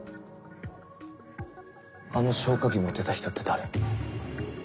あの消火器持ってた人って誰？